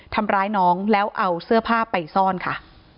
ทำร้ายน้องแล้วเอาเสื้อผ้าไปซ่อนค่ะ